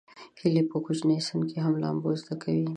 هیلۍ په کوچني سن کې هم لامبو زده کوي